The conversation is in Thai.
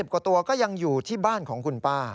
กว่าตัวก็ยังอยู่ที่บ้านของคุณป้า